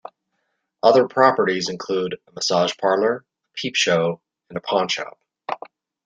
Other properties include a massage parlour, a peep show and a pawn shop.